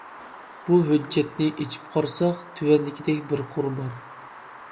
بۇ ھۆججەتنى ئېچىپ قارىساق تۆۋەندىكىدەك بىر قۇر بار.